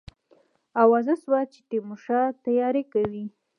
آوازه سوه چې تیمورشاه تیاری کوي.